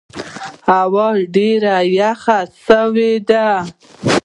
هوا ډېره یخه سوې ده.